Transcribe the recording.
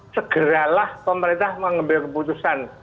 segeralah pemerintah mengambil keputusan